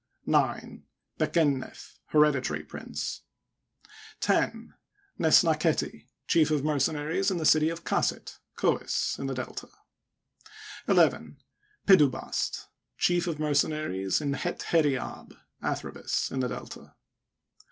9. Bek en^nef, Hereditary Prince. 10. Nesnaketiy Chief of Mercenaries in the city of Kaset (Chois), in the Delta. \\, Pedubast, Chief of Mercenaries in Het hert ab (Athribis), in the Delta.